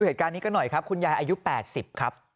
เหตุการณ์นี้ก็หน่อยครับคุณยายอายุ๘๐ครับ